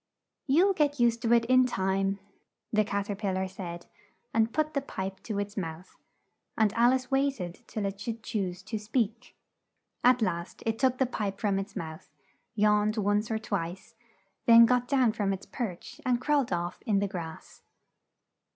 "You'll get used to it in time," the Cat er pil lar said, and put the pipe to its mouth, and Al ice wait ed till it should choose to speak. At last it took the pipe from its mouth, yawned once or twice, then got down from its perch and crawled off in the grass.